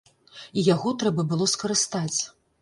І яго трэба было скарыстаць.